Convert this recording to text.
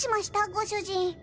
ご主人。